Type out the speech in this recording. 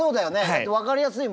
だって分かりやすいもんね。